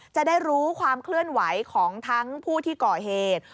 จะได้รู้ความเคลื่อนไหวของทั้งผู้ที่ก่อเหตุ